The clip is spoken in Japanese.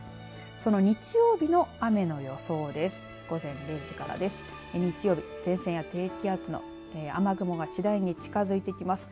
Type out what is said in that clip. その日曜日の雨の予想です。